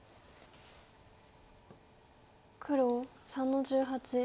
黒３の十八。